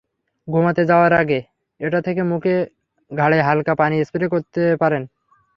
ঘুমাতে যাওয়ার আগে এটা থেকে মুখে-ঘাড়ে হালকা পানি স্প্রে করতে পারেন।